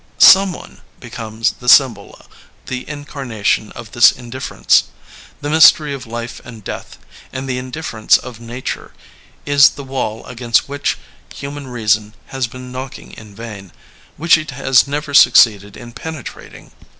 Someone becomes the symbol, the incarnation of this indifference. The mystery of life and death, and the indifference of nature, is the waU against which human reason has been knocking in vain, which it has never succeeded in penetrating.